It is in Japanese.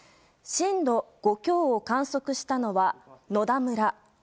震度５強を観測したのは野田村。